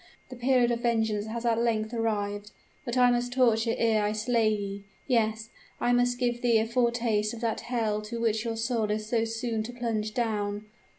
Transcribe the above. The period of vengeance has at length arrived! But I must torture ere I slay ye! Yes, I must give thee a foretaste of that hell to which your soul is so soon to plunge down!